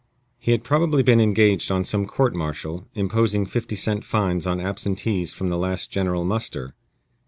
He had probably been engaged on some court martial, imposing fifty cent fines on absentees from the last general muster.